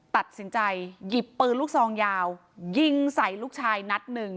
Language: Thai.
ตัดสินใจหยิบปืนลูกซองยาวยิงใส่ลูกชายนัดหนึ่ง